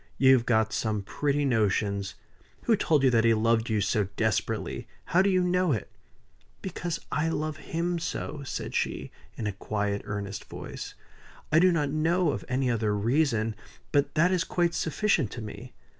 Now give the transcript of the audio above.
You've got some pretty notions! Who told you that he loved you so desperately? How do you know it?" "Because I love him so," said she, in a quiet, earnest voice. "I do not know of any other reason; but that is quite sufficient to me.